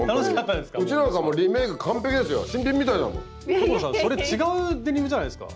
所さんそれ違うデニムじゃないすか？